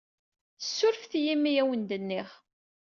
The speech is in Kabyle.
Ssurfet-iyi imi ay awen-d-nniɣ.